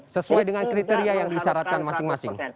sesuai dengan kriteria yang disyaratkan masing masing